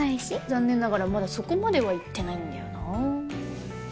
残念ながらまだそこまではいってないんだよなあ